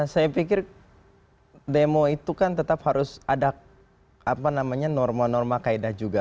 saya pikir demo itu kan tetap harus ada norma norma kaedah juga